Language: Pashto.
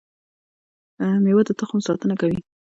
مېوه د تخم ساتنه کوي